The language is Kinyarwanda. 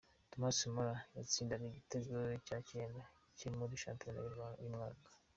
Thomas Muller yatsindaga igitego cya kenda cye muri shampiyona uyu mwaka.